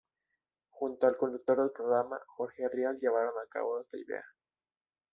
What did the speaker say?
Junto al conductor del programa, Jorge Rial llevaron a cabo esta idea.